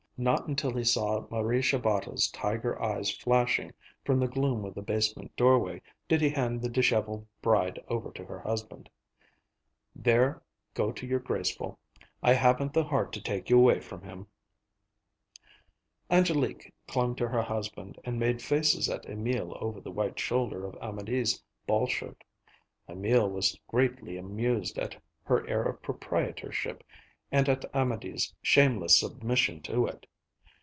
Not until he saw Marie Shabata's tiger eyes flashing from the gloom of the basement doorway did he hand the disheveled bride over to her husband. "There, go to your graceful; I haven't the heart to take you away from him." Angélique clung to her husband and made faces at Emil over the white shoulder of Amédée's ball shirt. Emil was greatly amused at her air of proprietorship and at Amédée's shameless submission to it.